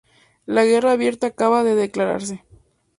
La guerra abierta acaba de declararse..